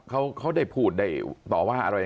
เขาเดินพูดได้ต่อว่านะครับ